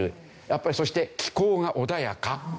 やっぱりそして気候が穏やかっていう所。